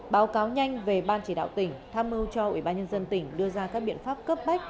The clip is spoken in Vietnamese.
báo cáo nhanh về ban chỉ đạo tỉnh tham mưu cho ủy ban nhân dân tỉnh đưa ra các biện pháp cấp bách